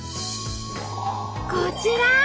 こちら！